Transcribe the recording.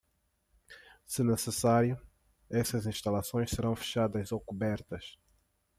Se necessário, essas instalações serão fechadas ou cobertas.